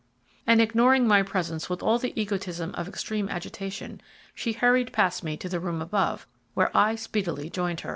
And ignoring my presence with all the egotism of extreme agitation, she hurried past me to the room above, where I speedily joined her.